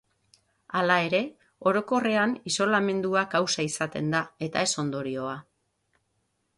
Hala ere, orokorrean isolamendua kausa izaten da, eta ez ondorioa.